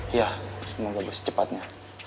iya semoga secepatnya